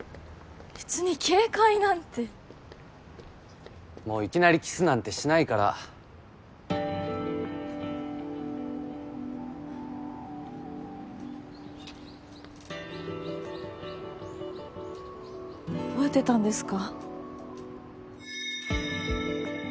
別に警戒なんてもういきなりキスなんてしないから覚えてたんですか？